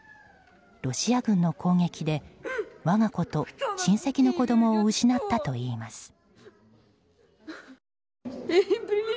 ロシア軍の攻撃で我が子と親戚の子供を失ったといいます。